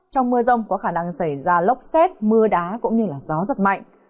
trong mưa rông có khả năng xảy ra lốc xét mưa đá cũng như gió giật mạnh